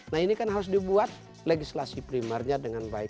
nah ini kan harus dibuat legislasi primernya dengan baik